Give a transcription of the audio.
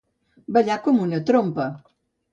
Ballar com una trompa.